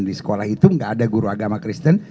di sekolah itu nggak ada guru agama kristen